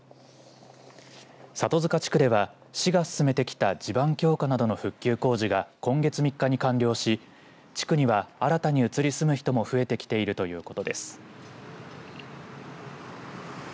里塚地区では市が進めてきた地盤強化などの復旧工事が今月３日に完了し地区には新たに移り住む人も増えてきているということです。